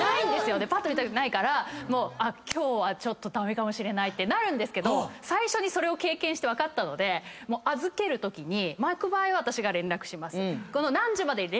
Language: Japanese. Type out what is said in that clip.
ぱっと見たときないから今日はちょっと駄目かもしれないってなるんですけど最初にそれを経験して分かったので預けるときに。